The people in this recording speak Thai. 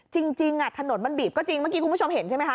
จริงถนนมันบีบก็จริงเมื่อกี้คุณผู้ชมเห็นใช่ไหมคะ